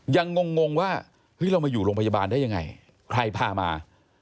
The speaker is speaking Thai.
งงงว่าเฮ้ยเรามาอยู่โรงพยาบาลได้ยังไงใครพามา